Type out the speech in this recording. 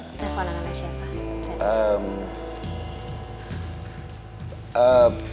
revolan sama siapa